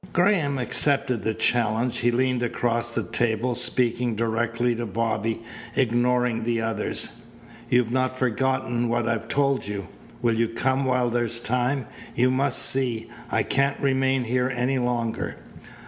Graham accepted the challenge. He leaned across the table, speaking directly to Bobby, ignoring the others: "You've not forgotten what I told you. Will you come while there's time? You must see. I can't remain here any longer."